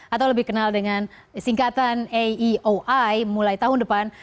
atau lebih kenal dengan singkatan aeoi mulai tahun depan